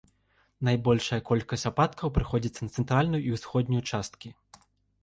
Найбольшая колькасць ападкаў прыходзіцца на цэнтральную і ўсходнюю часткі.